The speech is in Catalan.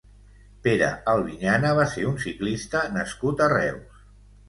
Pere Albiñana va ser un ciclista nascut a Reus.